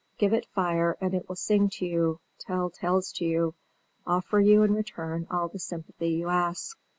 Give it fire, and it will sing to you, tell tales to you, offer you in return all the sympathy you ask.